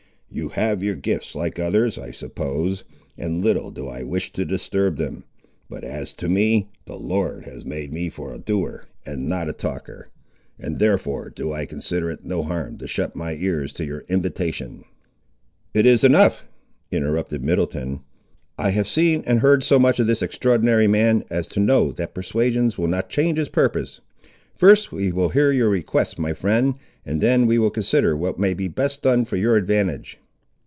You have your gifts like others, I suppose, and little do I wish to disturb them. But as to me, the Lord has made me for a doer and not a talker, and therefore do I consider it no harm to shut my ears to your invitation." "It is enough," interrupted Middleton, "I have seen and heard so much of this extraordinary man, as to know that persuasions will not change his purpose. First we will hear your request, my friend, and then we will consider what may be best done for your advantage."